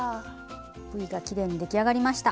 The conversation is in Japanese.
Ｖがきれいに出来上がりました。